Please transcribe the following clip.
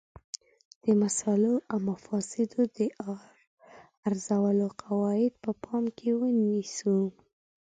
د مصالحو او مفاسدو د ارزولو قواعد په پام کې ونیسو.